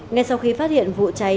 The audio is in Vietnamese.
ngay sau khi phát hiện vụ cháy